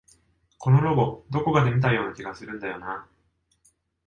このロゴ、どこかで見たような気がするんだよなあ